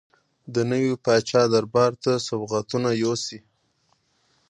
د نوي پاچا دربار ته سوغاتونه یوسي.